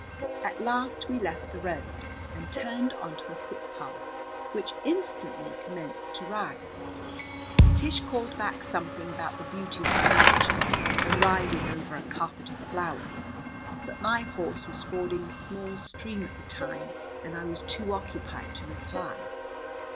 At last we left the road and turned onto a footpath, which instantly commenced to rise. Tish called back something about the beauties of nature and riding over a carpet of flowers, but my horse was fording a small stream at the time and I was too occupied to reply.